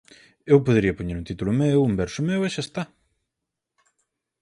Eu podería poñer un título meu, un verso meu, e xa está.